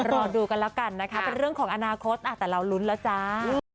รอดูกันแล้วกันนะคะเป็นเรื่องของอนาคตแต่เรารุ้นแล้วจ้า